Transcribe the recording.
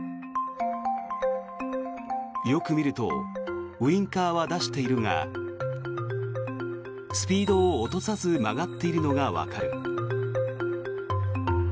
よく見るとウィンカーは出しているがスピードを落とさず曲がっているのがわかる。